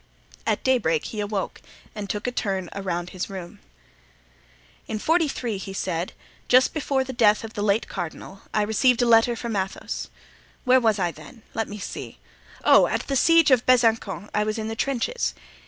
At daybreak he awoke and took a turn around his room. "In '43," he said, "just before the death of the late cardinal, I received a letter from Athos. Where was I then? Let me see. Oh! at the siege of Besancon I was in the trenches.